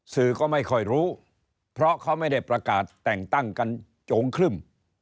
สื่อก็ไม่ค่อยรู้เพราะเขาไม่ได้ประกาศแต่งตั้งกันโจงครึ่ม